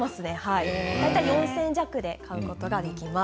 ４０００円弱で買うことができます。